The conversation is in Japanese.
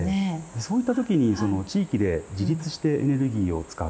そういった時に地域で自立してエネルギーを使う。